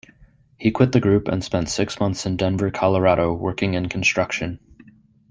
He quit the group, and spent six months in Denver, Colorado working in construction.